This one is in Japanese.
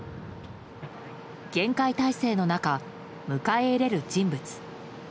厳戒態勢の中、迎え入れる人物。